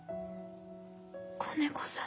子猫さん。